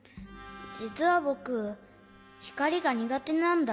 じつはぼくひかりがにがてなんだ。